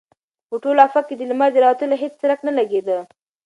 په ټول افق کې د لمر د راوتلو هېڅ څرک نه لګېده.